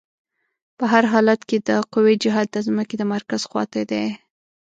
په هر حالت کې د قوې جهت د ځمکې د مرکز خواته دی.